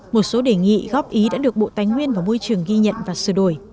một số đề nghị góp ý đã được bộ tánh nguyên và môi trường ghi nhận và sửa đổi